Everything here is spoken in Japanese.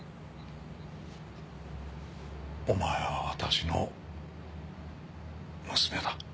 お前は私の娘だ。